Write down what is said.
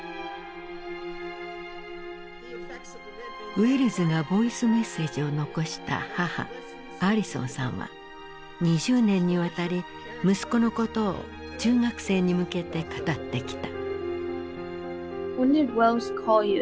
ウェルズがボイスメッセージを残した母アリソンさんは２０年にわたり息子のことを中学生に向けて語ってきた。